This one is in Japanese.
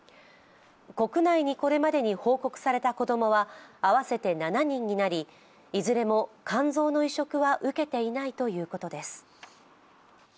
国内でこれまでに報告された子供は合わせて７人になりいずれも肝臓の移植は受けていないということです。